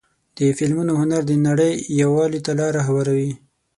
د فلمونو هنر د نړۍ یووالي ته لاره هواروي.